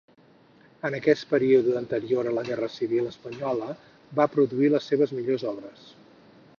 En aquest període anterior a la Guerra Civil espanyola va produir les seves millors obres.